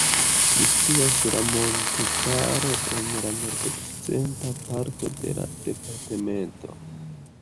Ĝi situas sur montetaro en la nordokcidenta parto de la departemento.